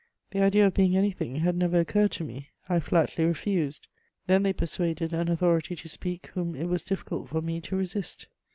The idea of being anything had never occurred to me; I flatly refused. Then they persuaded an authority to speak whom it was difficult for me to resist.